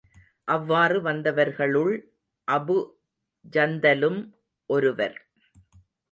அவ்வாறு வந்தவர்களுள் அபு ஜந்தலும் ஒருவர்.